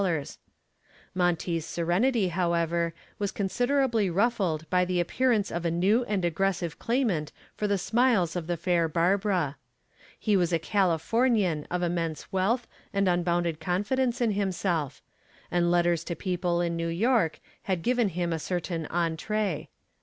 Monty's serenity, however, was considerably ruffled by the appearance of a new and aggressive claimant for the smiles of the fair Barbara. He was a Californian of immense wealth and unbounded confidence in himself, and letters to people in New York had given him a certain entree.